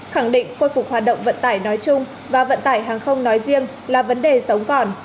khẳng định khôi phục hoạt động vận tải nói chung và vận tải hàng không nói riêng là vấn đề sống còn